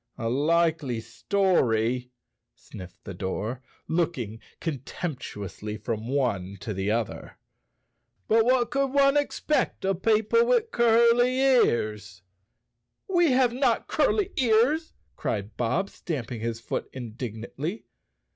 "A likely story," sniffed the door, looking contemptu¬ ously from one to the other. "But what could one ex¬ pect of people with curly ears." "We have not curly ears," cried Bob, stamping his foot indignantly.